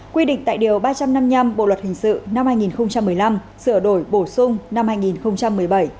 quy định tại điều ba trăm năm mươi năm bộ luật hình sự năm hai nghìn một mươi năm sửa đổi bổ sung năm hai nghìn một mươi bảy